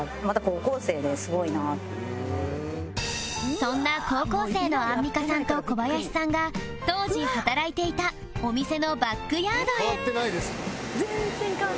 そんな高校生のアンミカさんと小林さんが当時働いていたお店のバックヤードへ